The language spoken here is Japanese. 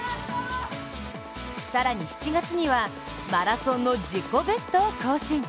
更に７月にはマラソンの自己ベストを更新。